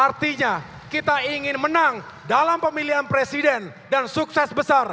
artinya kita ingin menang dalam pemilihan presiden dan sukses besar